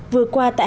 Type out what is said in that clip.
vừa qua tại hà nội